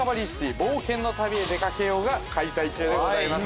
冒険の旅に出かけよう』が開催中でございます。